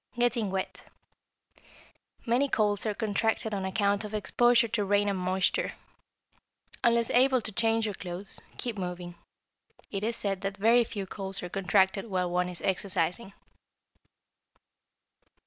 =Getting Wet.= Many colds are contracted on account of exposure to rain and moisture. Unless able to change your clothes, keep moving. It is said that very few colds are contracted while one is exercising.